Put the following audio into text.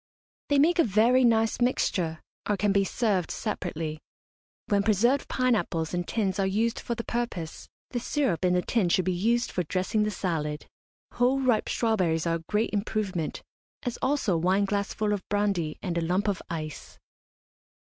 They make a very nice mixture, or can be served separately. When preserved pine apples in tins are used for the purpose, the syrup in the tin should be used for dressing the salad. Whole ripe strawberries are a great improvement, as also a wineglassful of brandy and a lump of ice.